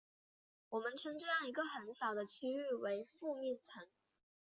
我们称这样一个很小的区域为附面层。